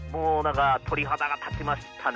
鳥肌が立ちましたね